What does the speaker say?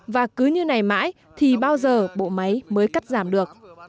và cứ như này mãi thì bao giờ bộ máy mới cắt giảm được